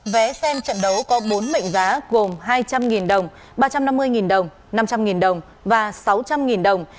vé xem trận đấu có bốn mệnh giá gồm hai trăm linh đồng ba trăm năm mươi đồng năm trăm linh đồng và sáu trăm linh đồng